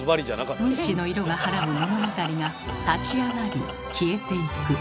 うんちの色がはらむ物語が立ち上がり消えていく。